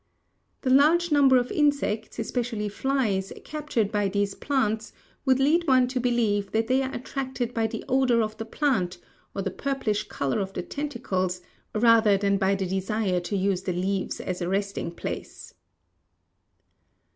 The large number of insects, especially flies, captured by these plants would lead one to believe that they are attracted by the odor of the plant, or the purplish color of the tentacles, rather than by the desire to use the leaves as a resting place.